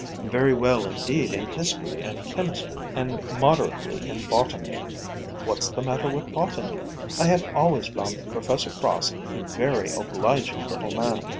very well indeed in history and chemistry, and moderately in botany. What's the matter with botany? I have always found Professor Cross a very obliging little man."